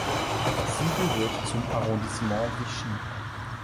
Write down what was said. Sie gehört zum Arrondissement Vichy.